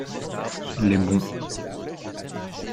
Les bons.